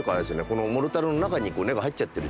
このモルタルの中に根が入っちゃってる状態なので。